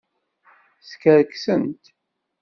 Skerksent.